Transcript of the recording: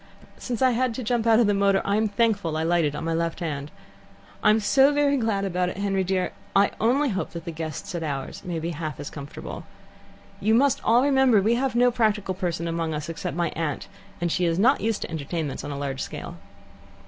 "Since I had to jump out of the motor, I'm thankful I lighted on my left hand. I am so very glad about it, Henry dear; I only hope that the guests at ours may be half as comfortable. You must all remember that we have no practical person among us, except my aunt, and she is not used to entertainments on a large scale."